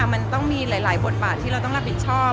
มันต้องมีหลายบทบาทที่เราต้องรับผิดชอบ